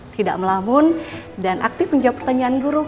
tidak melamun dan aktif menjawab pertanyaan guru